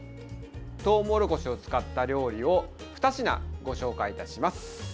とうもろこしを使った料理を２品ご紹介いたします。